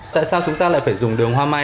tại sao chúng ta lại phải dùng đường hoa mai